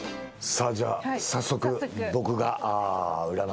さあじゃあ早速。